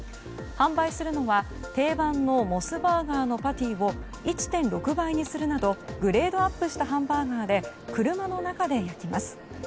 販売するのは定番のモスバーガーのパティを１．６倍にするなどグレードアップしたハンバーガーで車の中で焼きます。